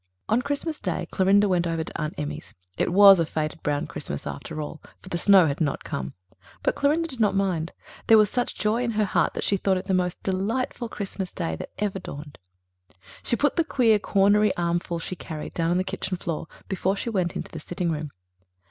On Christmas Day, Clorinda went over to Aunt Emmy's. It was a faded brown Christmas after all, for the snow had not come. But Clorinda did not mind; there was such joy in her heart that she thought it the most delightful Christmas Day that ever dawned. She put the queer cornery armful she carried down on the kitchen floor before she went into the sitting room.